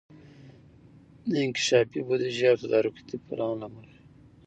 د انکشافي بودیجې او تدارکاتي پلان له مخي